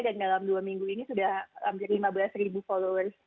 dan dalam dua minggu ini sudah hampir lima belas followers